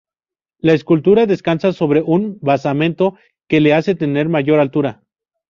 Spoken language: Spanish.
La escultura descansa sobre un basamento que le hace tener mayor altura.